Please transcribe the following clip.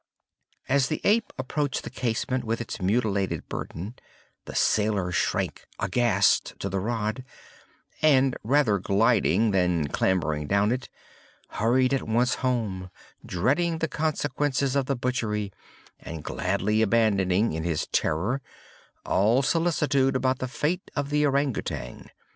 As the ape approached the casement with its mutilated burden, the sailor shrank aghast to the rod, and, rather gliding than clambering down it, hurried at once home—dreading the consequences of the butchery, and gladly abandoning, in his terror, all solicitude about the fate of the Ourang Outang.